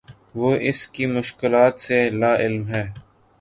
وہ اس کی مشکلات سے لاعلم ہے